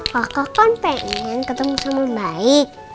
kakak kan pengen ketemu sama baik